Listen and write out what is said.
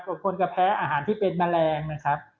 คนจะแพ้อาหารที่เป็นแมลงนะครับ